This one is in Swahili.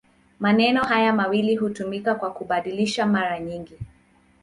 Maneno haya mawili hutumika kwa kubadilishana mara nyingi.